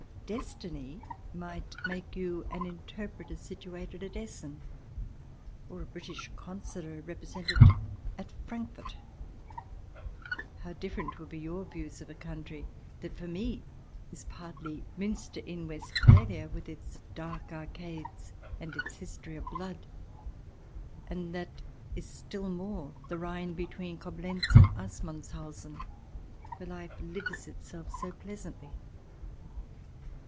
Destiny might make you an Interpreter situated at Essen, or a British Consular Represent ative at Frankfurt ! How different would be your views of a country that for me is partly Muenster in Westphalia, with its dark arcades and its history of blood, and that is still more the Rhine between Koblenz and Assmanshausen, where life lives itself so pleasantly.